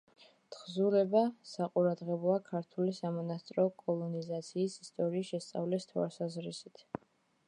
თხზულება საყურადღებოა ქართული სამონასტრო კოლონიზაციის ისტორიის შესწავლის თვალსაზრისით.